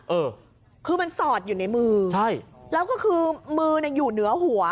เออคือมันสอดอยู่ในมือใช่แล้วก็คือมือเนี่ยอยู่เหนือหัว